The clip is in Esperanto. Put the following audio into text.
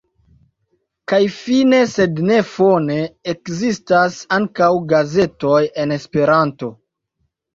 Kaj fine sed ne fone: ekzistas ankaŭ gazetoj en Esperanto.